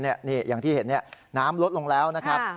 เนี่ยนี่อย่างที่เห็นเนี่ยน้ำรดลงแล้วนะฮะ